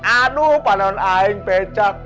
aduh panahin aing pecak